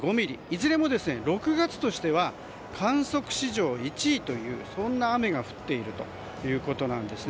いずれも６月としては観測史上１位というそんな雨が降っているということなんです。